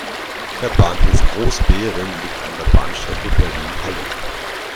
Der Bahnhof "Großbeeren" liegt an der Bahnstrecke Berlin–Halle.